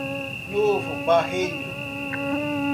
Novo Barreiro